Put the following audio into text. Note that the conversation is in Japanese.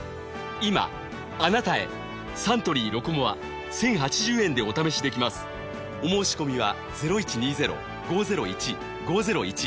今あなたへサントリー「ロコモア」１，０８０ 円でお試しできますお申込みは